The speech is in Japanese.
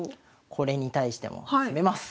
これに対しても攻めます。